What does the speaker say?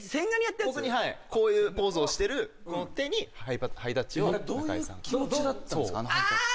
僕にはいこういうポーズをしてるこの手にハイタッチを・どういう気持ちだったんですかああ！